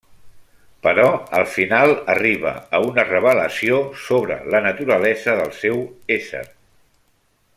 Però, al final, arriba a una revelació sobre la naturalesa del seu ésser.